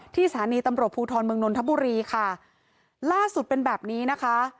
สถานีตำรวจภูทรเมืองนนทบุรีค่ะล่าสุดเป็นแบบนี้นะคะ